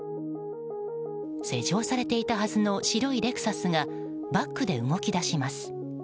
施錠されていたはずの白いレクサスがバックで動き出します。